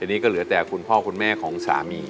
อันนี้ก็เหลือแต่คุณพ่อคุณแม่ของสามี